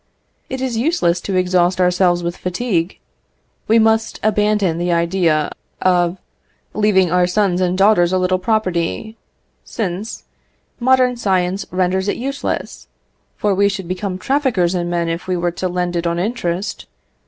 It is useless to exhaust ourselves with fatigue: we must abandon the idea of leaving our sons and daughters a little property, since modern science renders it useless, for we should become traffickers in men if we were to lend it on interest.